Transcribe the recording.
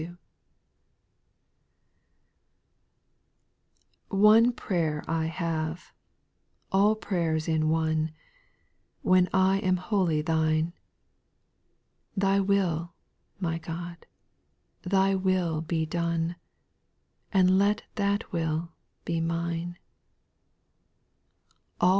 • NE prayer I have, — all prayers in one, When I am wholly Thine, Thy will, my God, Thy will be done, And let that will be mine.